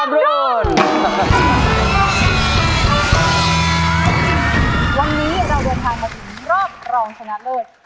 วันนี้เราเดินทางมาถึงรอบรองชนะเลิศ